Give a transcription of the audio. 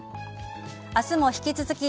明日も引き続き